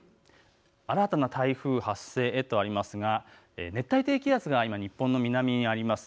新たな台風発生へとありますが熱帯低気圧が今日本の南にあります。